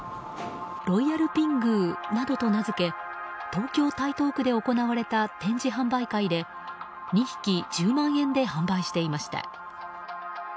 ロイヤルピングーなどと名付け東京・台東区で行われた展示販売会で２匹１０万円で販売していました。